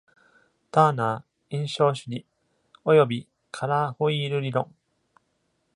ターナー、印象主義、およびカラー・ホイール理論。